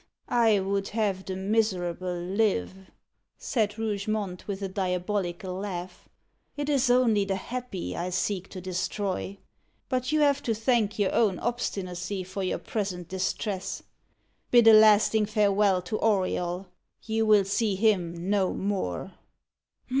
"I would have the miserable live," said Rougemont, with a diabolical laugh. "It is only the happy I seek to destroy. But you have to thank your own obstinacy for your present distress. Bid a lasting farewell to Auriol. You will see him no more."